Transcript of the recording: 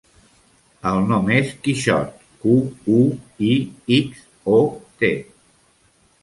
El nom és Quixot: cu, u, i, ics, o, te.